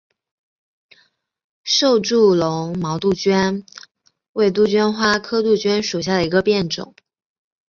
瘦柱绒毛杜鹃为杜鹃花科杜鹃属下的一个变种。